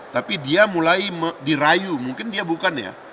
tapi dia mulai dirayu mungkin dia bukan ya